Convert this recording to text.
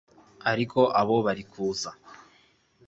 ariko bo barikuza